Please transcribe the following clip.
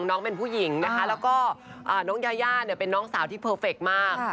น้องเป็นผู้หญิงนะคะแล้วก็น้องยาย่าเป็นน้องสาวที่เพอร์เฟคมาก